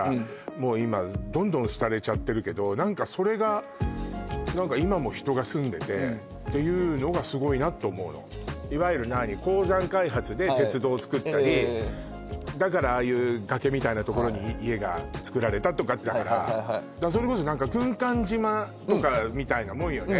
もう今どんどん廃れちゃってるけど何かそれがいわゆる何鉱山開発で鉄道をつくったりだからああいう崖みたいな所に家がつくられたとかってそれこそ何か軍艦島とかみたいなもんよね